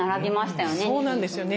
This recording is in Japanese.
そうなんですよね。